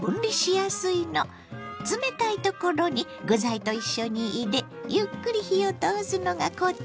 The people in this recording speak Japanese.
冷たいところに具材と一緒に入れゆっくり火を通すのがコツ。